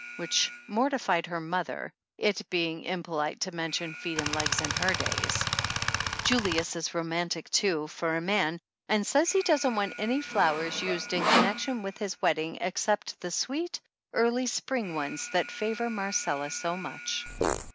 Which mortified her mother, it being im polite to mention feet and legs in her days. 125 THE ANNALS OF ANN Julius is romantic, too, for a man, and says he doesn't want any flowers used in connection with his wedding except the sweet, early spring ones that favor Marcella so much.